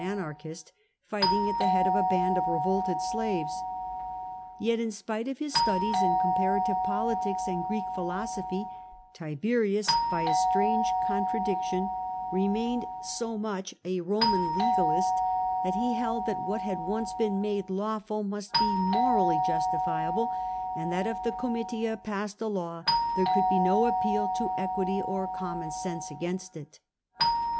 anarchist, fighting at the head of a band of revolted slaves. Yet, in spite of his studies in comparative politics and Greek philosophy Tiberius, by a strange contradiction, remained so much a THE '^PUBLIC LAND 25 Eoman legalist, that he held that what had once been made lawful must be morally justifiable, and that if the Comitia passed a law there could be no appeal to equity or common sense against it.